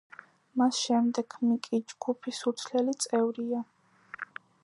მას შემდეგ მიკი ჯგუფის უცვლელი წევრია.